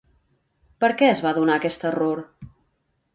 Per què es va donar aquest error?